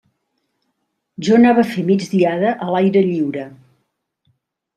Jo anava a fer migdiada a l'aire lliure.